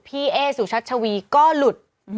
เอ๊สุชัชวีก็หลุด